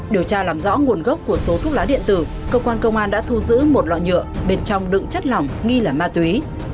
điều tra làm rõ nguồn gốc của số thuốc lá điện tử cơ quan công an đã thu giữ một loại nhựa bên trong đựng chất lỏng nghi là ma túy